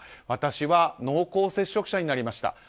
私は濃厚接触者になりました。